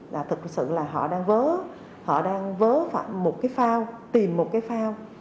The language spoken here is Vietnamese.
là thực sự là họ đang vớ họ đang vớ một cái phao tìm một cái phao